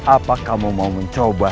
apakah kamu mau mencoba